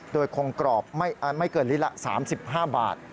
โดยคงกรอบไม่เกินลิตรละ๓๕บาท